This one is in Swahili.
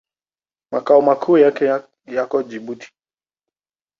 Makao makuu yake yako Jibuti.